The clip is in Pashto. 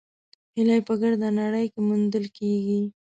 هیلۍ په ګرده نړۍ کې موندل کېږي